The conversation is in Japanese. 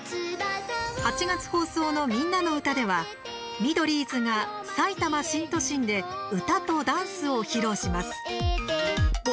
８月放送の「みんなのうた」ではミドリーズがさいたま新都心で歌とダンスを披露します。